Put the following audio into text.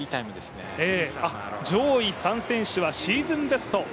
上位３人はシーズンベスト。